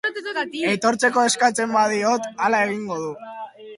Etortzeko eskatzen badiot, hala egingo du.